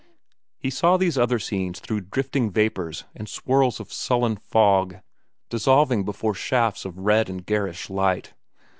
He saw these other scenes through drifting vapors and swirls of sullen fog dissolving before shafts of red and garish light.